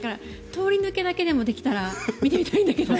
通り抜けだけでもできたら見てみたいんだけど。